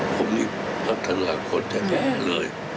ผมนี่พัฒนากันคนแท้ค่ะเลย